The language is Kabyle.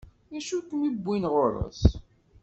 D acu i kem-iwwin ɣur-s?